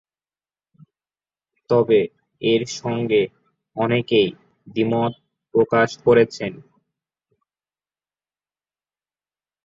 তবে এর সঙ্গে অনেকেই দ্বিমত প্রকাশ করেছেন।